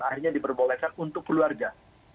akhirnya diperbolehkan untuk keluarga